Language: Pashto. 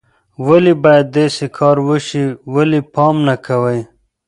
ولې باید داسې کار وشي، ولې پام نه کوئ